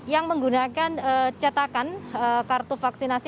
yang menggunakan cetakan kartu vaksinasi